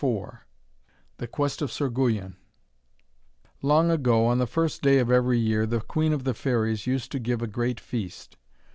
IV THE QUEST OF SIR GUYON Long ago, on the first day of every year, the Queen of the Fairies used to give a great feast.